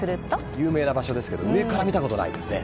有名な場所ですけど上から見たことないですね。